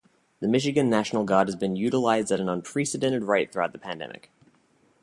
The Michigan National Guard has been utilized at an unprecedented rate throughout the pandemic.